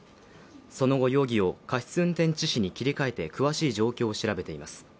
その後、容疑を過失運転致死に切り替えて詳しい状況を調べています。